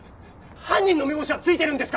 犯人のめぼしはついてるんですか！？